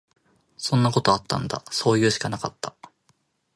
そんなことあったんだ。そういうしかなかった。